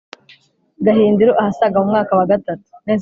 gahindiro ahasaga mu mwaka wa gatatu